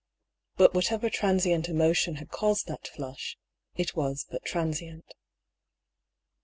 But whatever transient emotion had caused that flush, it was but transient.